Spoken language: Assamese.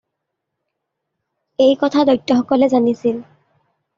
এই কথা দৈত্য সকলে জানিছিল।